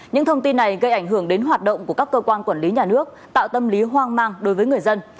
những thông tin này gây ảnh hưởng đến hoạt động của các cơ quan quản lý nhà nước tạo tâm lý hoang mang đối với người dân